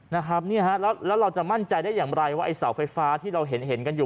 แล้วเราจะมั่นใจได้อย่างไรว่าไอ้เสาร์ไฟฟ้าที่เราเห็นกันอยู่